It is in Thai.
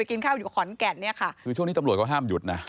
กินข้าวอยู่ขอนแก่นเนี่ยค่ะคือช่วงนี้ตำรวจก็ห้ามหยุดนะ